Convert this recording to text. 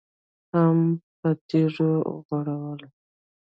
هم په تيږو غړول.